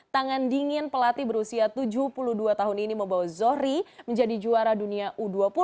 tangan dingin pelatih berusia tujuh puluh dua tahun ini membawa zohri menjadi juara dunia u dua puluh